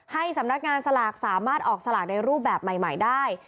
ให้สำนักงานสลากสามารถออกสลากในรูปแบบใหม่ได้